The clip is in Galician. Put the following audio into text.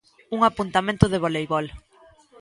Un apuntamento de voleibol.